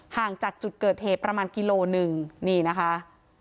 ห่างจากจุดเกิดเหตุประมาณกิโลหนึ่งนี่นะคะ